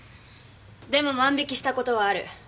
でも万引きした事はある。